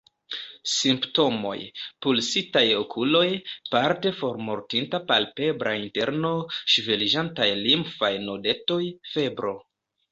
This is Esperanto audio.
Simptomoj:Pulsitaj okuloj, parte formortinta palpebra interno, ŝveliĝantaj limfaj nodetoj, febro.